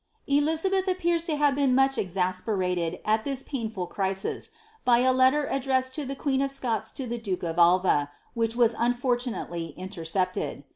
*'* kbeth appeM to have been much exasperated, at Aif painfiil ij a letter addressed by the qneen of Scots to the dnke or Alva, ivas unfortunately intercepted.